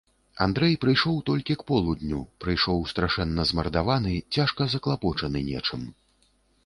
Андрэй прыйшоў толькі к полудню, прыйшоў страшэнна змардаваны, цяжка заклапочаны нечым.